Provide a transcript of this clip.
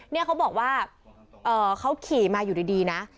เนี่ยเขาบอกว่าเขาขี่มาอยู่ดีนะ